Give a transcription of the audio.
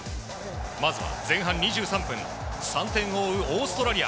まずは前半２３分３点を追うオーストラリア。